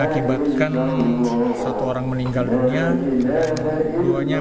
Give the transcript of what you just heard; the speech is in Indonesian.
kerasnya ledakan menyebabkan mercon di rumahnya justru menjadi korban ledakan